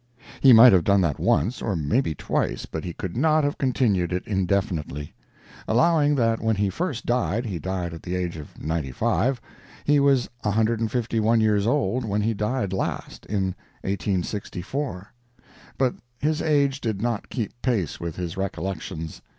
He might have done that once, or maybe twice, but he could not have continued it indefinitely. Allowing that when he first died, he died at the age of 95, he was 151 years old when he died last, in 1864. But his age did not keep pace with his recollections.